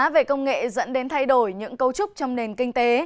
vấn đề công nghệ dẫn đến thay đổi những cấu trúc trong nền kinh tế